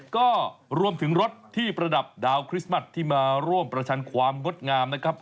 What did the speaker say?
ก็รวมถึงรถที่ประดับดาวคริสต์มัสที่มาร่วมประชันความงดงามนะครับ